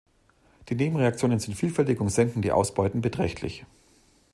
Die Nebenreaktionen sind vielfältig und senken die Ausbeuten beträchtlich.